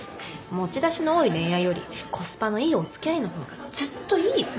持ち出しの多い恋愛よりコスパのいいおつきあいのほうがずっといいよ。